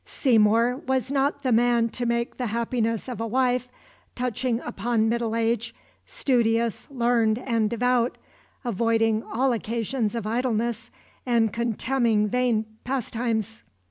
Seymour was not the man to make the happiness of a wife touching upon middle age, studious, learned, and devout, "avoiding all occasions of idleness, and contemning vain pastimes."